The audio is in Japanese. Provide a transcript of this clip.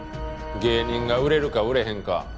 芸人が売れるか売れへんか